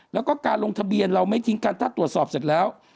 แล้วก็การลงทะเบียนเราไม่ทิ้งกันถ้าตรวจสอบเสร็จแล้ว